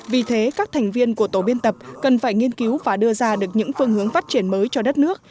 vì thế các thành viên của tổ biên tập cần phải nghiên cứu và đưa ra được những phương hướng phát triển mới cho đất nước